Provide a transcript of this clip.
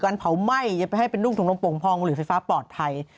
การเผาไหม้จะไปให้เป็นรุ่งถงตรงปลงพองบุหรี่ไฟฟ้าปลอดภัย